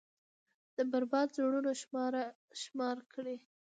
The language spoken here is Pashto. دا بـربـاد زړونه شمار كړئ.